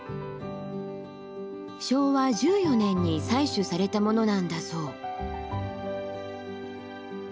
昭和１４年に採取されたものなんだそう。